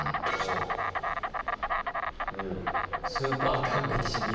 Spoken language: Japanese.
スーパー完璧主義。